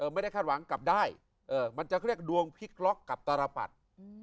ไม่ได้คาดหวังกลับได้มันจะเขาเรียกดวงพลิกล็อกกับตรปัด